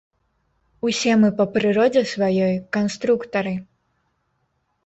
Усе мы па прыродзе сваёй канструктары.